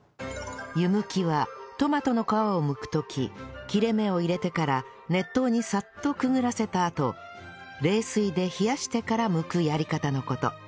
湯むきはトマトの皮をむく時切れ目を入れてから熱湯にサッとくぐらせたあと冷水で冷やしてからむくやり方の事